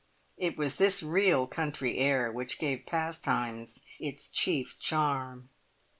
It was this real country air which gave Pastimes its chief charm.